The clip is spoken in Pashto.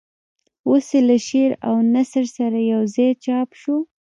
اوس یې له شعر او نثر سره یوځای چاپ شو.